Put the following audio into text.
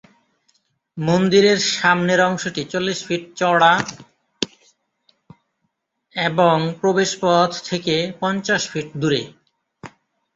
মন্দিরের সামনের অংশটি চল্লিশ ফিট চওড়া এবং প্রবেশপথ থেকে পঞ্চাশ ফিট দূরে।